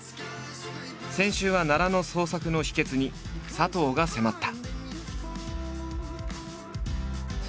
先週は奈良の創作の秘訣に佐藤が迫った。